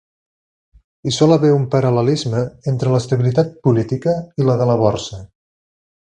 Hi sol haver un paral·lelisme entre l'estabilitat política i la de la borsa.